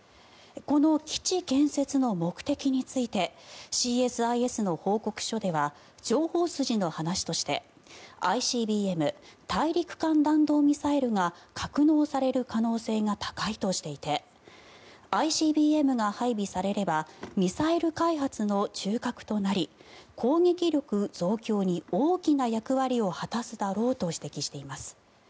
この基地建設の目的についてＣＳＩＳの報告書では情報筋の話としてＩＣＢＭ・大陸間弾道ミサイルが格納される可能性が高いとしていてＩＣＢＭが配備されればミサイル開発の中核となり攻撃力増強に大きな役割を果たすだろうと指摘しています。